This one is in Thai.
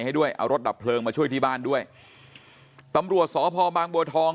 ให้ด้วยเอารถดับเพลิงมาช่วยที่บ้านด้วยตำรวจสพบางบัวทอง